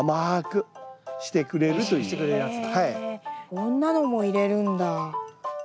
こんなのも入れるんだ。